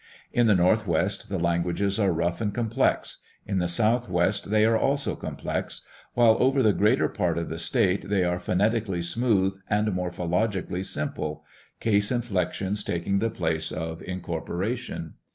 In the northwest the languages are rough and complex; in the southwest they are also complex; while over the greater part of the state they are phonetically smooth and morphologically simple, case inflections taking the place of incorporation.